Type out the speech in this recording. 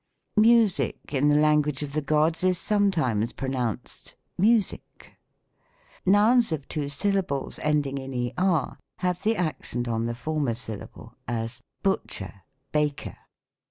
" Music," in the language of the Gods, is sometimes pronounced " mu sic !" Nouns of two syllables ending in er, have the accent on the former syllable: as, "Butcher, bilker."